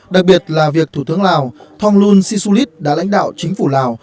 đặc biệt là việc thủ tướng lào thong lung xisulit đã lãnh đạo chính phủ lào